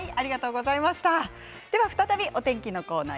再びお天気のコーナー